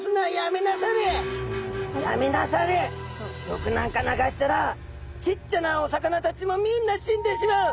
毒なんか流したらちっちゃなお魚たちもみんな死んでしまう。